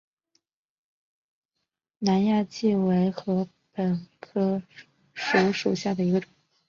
南亚稷为禾本科黍属下的一个种。